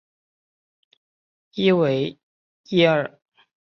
伊维耶尔。